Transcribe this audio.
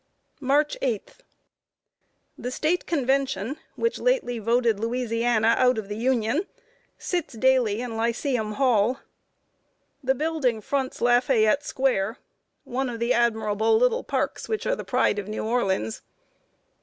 March 8. [Sidenote: LOUISIANA CONVENTION.] The State convention which lately voted Louisiana out of the Union, sits daily in Lyceum Hall. The building fronts Lafayette Square one of the admirable little parks which are the pride of New Orleans.